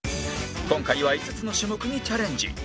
今回は５つの種目にチャレンジ